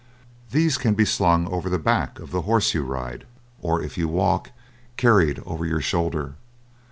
These can be slung over the back of the horse you ride, or if you walk, carried over your shoulder.